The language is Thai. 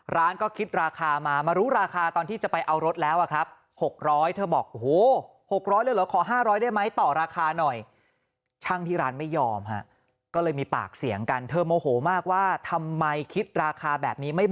ร้านก็คิดราคามามารู้ราคาตอนที่จะไปเอารถแล้วอะครับ